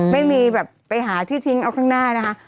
ไม่มีแบบไปหาที่ทิ้งเอาข้างหน้านะคะ